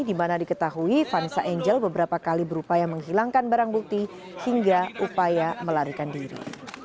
di mana diketahui vanessa angel beberapa kali berupaya menghilangkan barang bukti hingga upaya melarikan diri